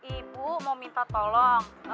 ibu mau minta tolong